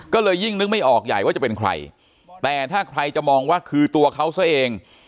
ก็เลยยิ่งนึกไม่ออกใหญ่ว่าจะเป็นใครแต่ถ้าใครจะมองว่าคือตัวเขาซะเอง